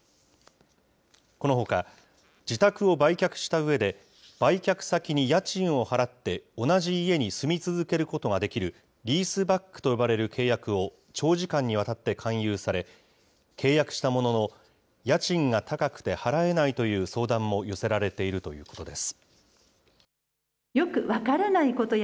このほか、自宅を売却したうえで、売却先に家賃を払って、同じ家に住み続けることができる、リースバックと呼ばれる契約を長時間にわたって勧誘され、契約したものの、家賃が高くて払えないという相談も寄せられているということです。